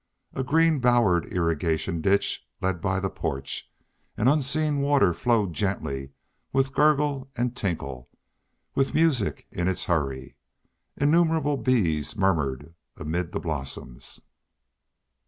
A green bowered irrigation ditch led by the porch and unseen water flowed gently, with gurgle and tinkle, with music in its hurry. Innumerable bees murmured amid the blossoms.